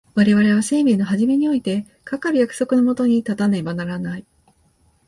我々は生命の始めにおいてかかる約束の下に立たねばならない。